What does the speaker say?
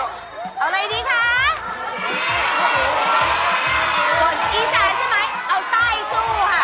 ห่วงอีจารย์ใช่ไหมเอาใต้สู้ค่ะ